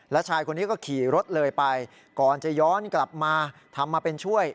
แล้วชายคนนี้ก็ขี่รถเลยไปก่อนจะย้อนกลับมาทำมาเป็นช่วย